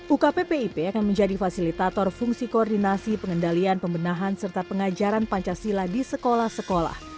ukppip akan menjadi fasilitator fungsi koordinasi pengendalian pembenahan serta pengajaran pancasila di sekolah sekolah